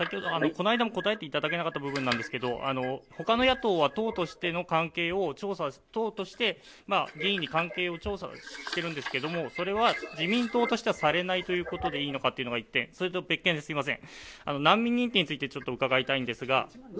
この間も答えていただけなかった部分なんですがほかの野党は党としての関係を調査党として議員に関係を調査しているんですが、それは自民党としてはされないということでいいのかというのが１点それと別件ですいません。